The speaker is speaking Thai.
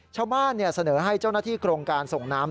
ชาวบ้านเสนอให้เจ้าหน้าที่โครงการส่งน้ำ